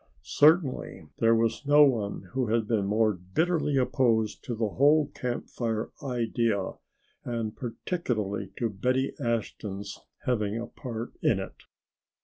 Certainly there was no one who had been more bitterly opposed to the whole Camp Fire idea and particularly to Betty Ashton's having a part in it.